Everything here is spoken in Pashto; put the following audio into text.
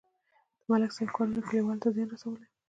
د ملک صاحب کارونو کلیوالو ته زیان رسولی.